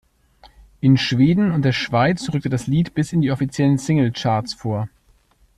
In Schweden und der Schweiz rückte das Lied bis in die offiziellen Single-Charts vor.